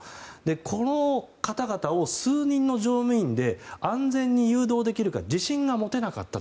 この方々を数人の乗務員で安全に誘導できるか自信が持てなかったと。